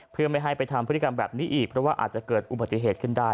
เพื่อไม่ให้ไปทำพฤติกรรมแบบนี้อีกเพราะว่าอาจจะเกิดอุบัติเหตุขึ้นได้